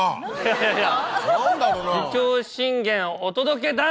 いやいや。